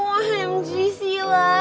aduh mg sih lah